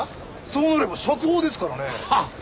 そうなれば釈放ですからね。